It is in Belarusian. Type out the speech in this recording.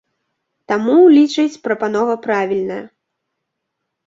Таму, лічыць, прапанова правільная.